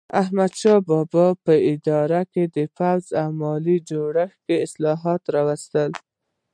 احمدشاه بابا په اداري، پوځي او مالي جوړښت کې اصلاحات راوستل.